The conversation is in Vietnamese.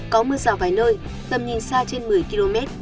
có mưa rào vài nơi tầm nhìn xa trên một mươi km